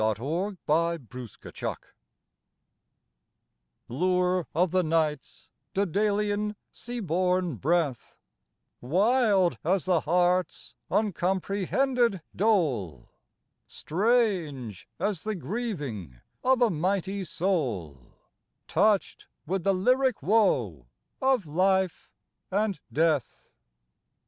103 X ON AN /EOLIAN HARP LURE of the night's dsedalian sea born breath, Wild as the heart's uncomprehended dole, Strange as the grieving of a mighty soul Touched with the lyric woe of life and death.